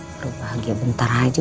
bro bahagia bentar aja